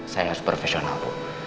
saya harus profesional bu